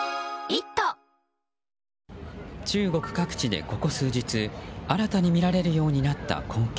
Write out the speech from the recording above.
中国各地でここ数日新たに見られるようになった光景。